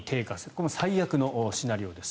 これは最悪のシナリオです。